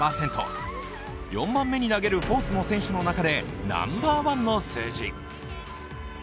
４番目に投げるフォースの選手の中でナンバーワンの数字。